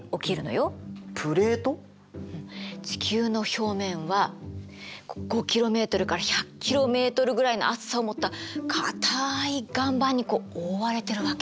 地球の表面は５ｋｍから１００ｋｍぐらいの厚さを持ったかたい岩盤にこう覆われてるわけ。